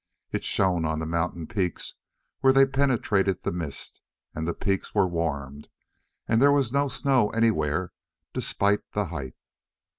It shone on the mountain peaks where they penetrated the mist, and the peaks were warmed, and there was no snow anywhere despite the height.